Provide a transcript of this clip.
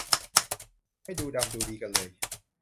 ไม่ดูดำดูดีกันเลย